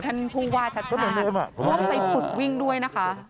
ท่านผู้ว่าชัดจนต้องไปฝึกวิ่งด้วยนะคะ